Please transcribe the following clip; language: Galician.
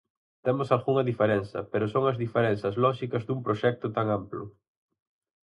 Temos algunha diferenza, pero son as diferenzas lóxicas dun proxecto tan amplo.